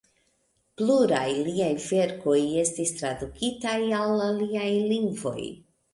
Pluraj liaj verkoj estis tradukitaj al aliaj lingvoj.